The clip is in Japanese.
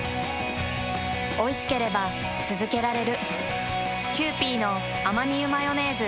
おいしければつづけられる。